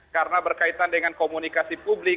karena berkaitan dengan komunikasi publik